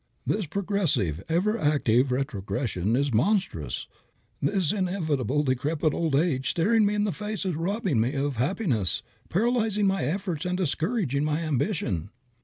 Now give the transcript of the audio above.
"This progressive, ever active retrogression is monstrous. This inevitably decrepit old age staring me in the face is robbing me of happiness, paralyzing my efforts and discouraging my ambition."